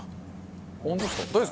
本当ですか？